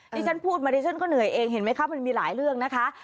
ที่ฉันพูดมาดิฉันก็เหนื่อยเองเห็นไหมคะมันมีหลายเรื่องนะคะ